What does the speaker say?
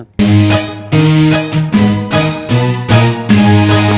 gak usah diributin